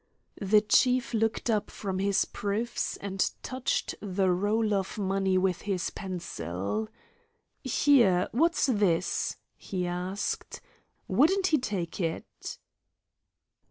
The chief looked up from his proofs and touched the roll of money with his pencil. "Here! what's this?" he asked. "Wouldn't he take it?"